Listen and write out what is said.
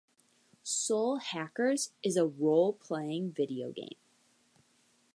"Soul Hackers" is a role-playing video game.